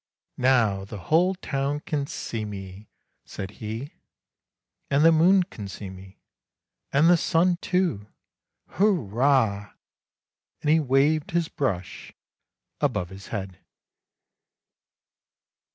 ' Now the whole town can see me,' said he, ' and the moon can see me, and the sun too, hurrah !' and he waved his brush above his head."